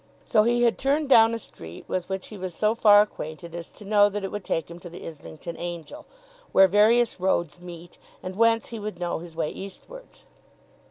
So he had turned down a street with which he was so far acquainted as to know that it would take him to the Islington Angel, where various roads meet, and whence he would know his way eastwards.